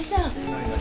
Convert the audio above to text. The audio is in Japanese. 何何？